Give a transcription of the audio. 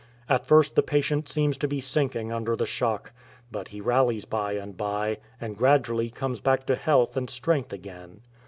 At first the patient seems to be sinking under the shock, but he rallies by and by, and gradually comes back to health and strength again.